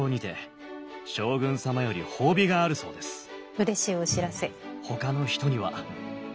うれしいお知らせ。